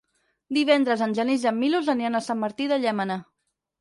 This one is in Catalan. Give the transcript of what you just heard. Divendres en Genís i en Milos aniran a Sant Martí de Llémena.